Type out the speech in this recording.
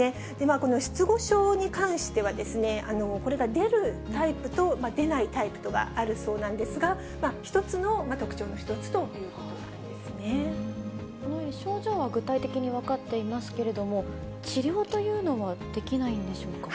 この失語症に関してはですね、これが出るタイプと、出ないタイプとがあるそうなんですが、一つの特徴の一つというここのように症状は具体的に分かっていますけれども、治療というのはできないんでしょうか。